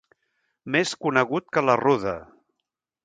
Més conegut que la ruda.